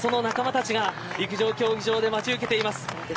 その仲間たちが陸上競技場で待ち受けています。